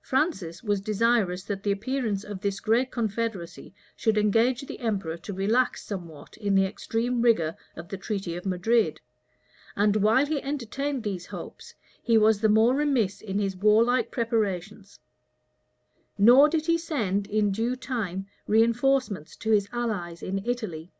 Francis was desirous that the appearance of this great confederacy should engage the emperor to relax somewhat in the extreme rigor of the treaty of Madrid; and while he entertained these hopes, he was the more remiss in his warlike preparations; nor did he send in due time reënforcements to his allies in Italy.